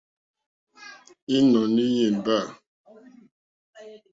Ínɔ̀ní í yémbà.